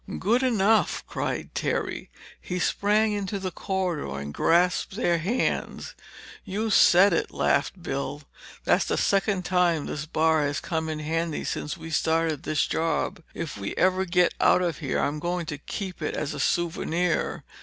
"Good enough!" cried Terry. He sprang into the corridor and grasped their hands. "You said it," laughed Bill. "That's the second time this bar has come in handy since we started this job. If we ever get out of here I'm going to keep it as a souvenir."